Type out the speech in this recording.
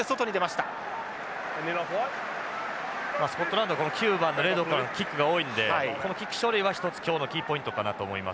まあスコットランドは９番のレイドロウからのキックが多いのでこのキック処理は一つ今日のキーポイントかなと思いますね。